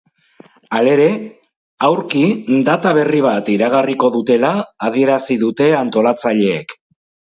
Halere, aurki data berri bat iragarriko dutela adierazi dute antolatzaileek.